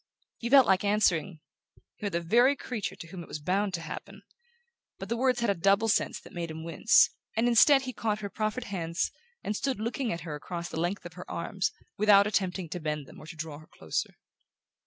He felt like answering: "You're the very creature to whom it was bound to happen"; but the words had a double sense that made him wince, and instead he caught her proffered hands and stood looking at her across the length of her arms, without attempting to bend them or to draw her closer.